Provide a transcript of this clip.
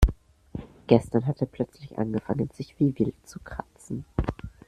Gestern hat er plötzlich angefangen, sich wie wild zu kratzen.